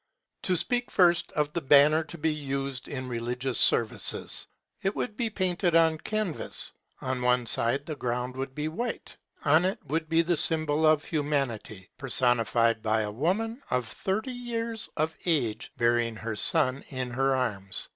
To speak first of the banner to be used in religious services. It should be painted on canvas. On one side the ground would be white; on it would be the symbol of Humanity, personified by a woman of thirty years of age, bearing her son in her arms.